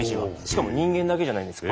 しかも人間だけじゃないんです